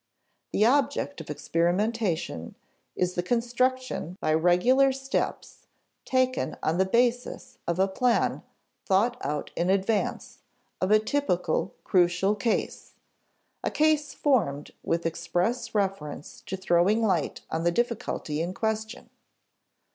The object of experimentation is the construction, by regular steps taken on the basis of a plan thought out in advance, of a typical, crucial case, a case formed with express reference to throwing light on the difficulty in question.